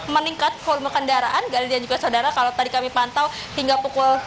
meningkat volume kendaraan gadi dan juga saudara kalau tadi kami pantau hingga pukul